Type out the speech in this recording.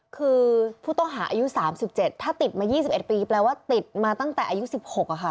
คือผู้ต้องหาอายุ๓๗ถ้าติดมา๒๑ปีแปลว่าติดมาตั้งแต่อายุ๑๖ค่ะ